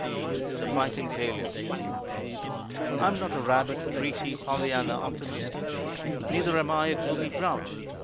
_ THE FIGHTING FAILURE "I'm not a rabid, preachy, pollyanna optimist. Neither am I a gloomy grouch.